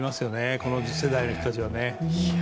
この世代の人たちはね。